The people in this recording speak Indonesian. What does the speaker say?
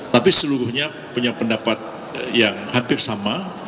tapi seluruhnya punya pendapat yang hampir sama